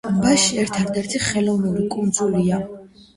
ტბაში ერთადერთი ხელოვნური კუნძულია.